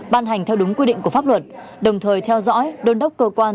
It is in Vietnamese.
ban hành theo đúng quy định của pháp luật đồng thời theo dõi đôn đốc cơ quan